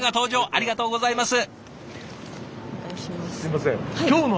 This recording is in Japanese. ありがとうございます。